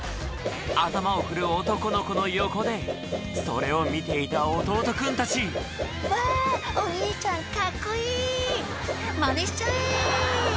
頭を振る男の子の横でそれを見ていた弟君たち「わぁお兄ちゃんカッコいい」「マネしちゃえ」